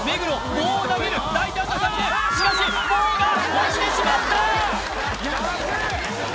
棒を投げる大胆な作戦しかし棒が落ちてしまった！